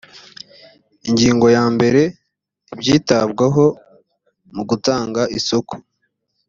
ingingo ya mbere ibyitabwaho mu gutanga isoko